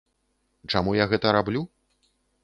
Чаму я гэта раблю?